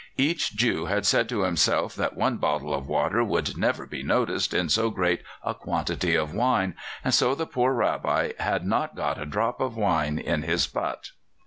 Each Jew had said to himself that one bottle of water could never be noticed in so great a quantity of wine, and so the poor Rabbi had not got a drop of wine in his butt.